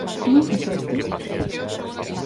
Como fixestes?